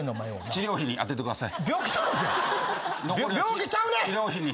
治療費に充ててください。